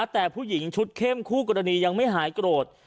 แต่ผู้หญิงชุดเข้มคู่กรณียังไม่หายโกรธ